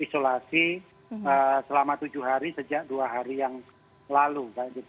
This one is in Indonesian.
isolasi selama tujuh hari sejak dua hari yang lalu